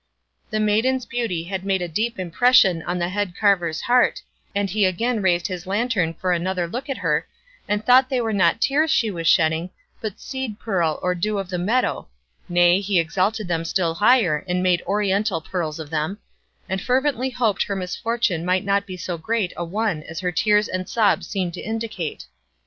The maiden's beauty had made a deep impression on the head carver's heart, and he again raised his lantern for another look at her, and thought they were not tears she was shedding, but seed pearl or dew of the meadow, nay, he exalted them still higher, and made Oriental pearls of them, and fervently hoped her misfortune might not be so great a one as her tears and sobs seemed to indicate.